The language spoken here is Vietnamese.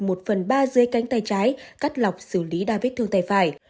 một phần ba dưới cánh tay trái cắt lọc xử lý đa vết thương tay phải